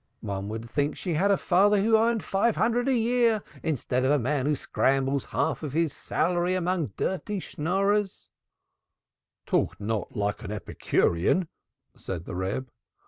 One would think she had a father who earned five hundred a year, instead of a man who scrambles half his salary among dirty Schnorrers." "Talk not like an Epicurean," said the Reb.